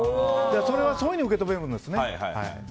それはそういうふうに受け止めてるんですね。